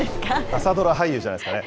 朝ドラ俳優じゃないですかね？